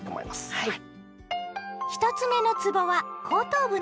はい。